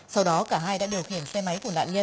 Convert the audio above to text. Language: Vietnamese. sau đó cả hai đã điều khiển xe máy của nạn nhân